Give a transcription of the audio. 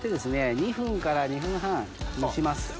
２分から２分半蒸します。